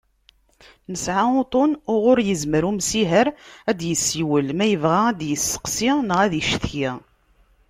Nesɛa uṭṭun uɣur yezmer umsiher ad d-yessiwel ma yebɣa ad d-yesteqsi neɣ ad icetki.